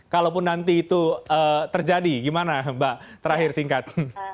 kalaupun nanti itu terjadi gimana mbak terakhir singkat